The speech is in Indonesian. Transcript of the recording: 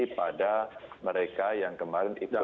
pada mereka yang kemarin ikut istimewa